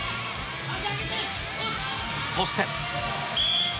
そして。